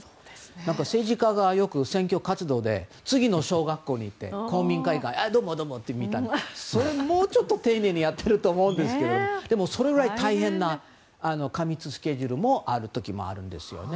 政治家がよく選挙活動で公民会館にあ、どうもどうもみたいなもうちょっと丁寧にやってると思うんですけどでもそれくらい大変な過密スケジュールもある時もあるんですよね。